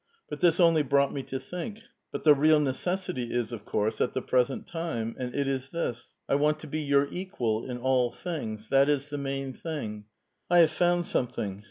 But this only brought me to think ; but the real necessity is, of course, at the pi*esent time ; and it is this : I want to be your equal in all things ; that is the main thing. I have found something.